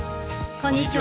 こんにちは。